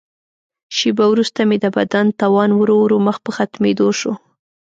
شیبه وروسته مې د بدن توان ورو ورو مخ په ختمېدو شو.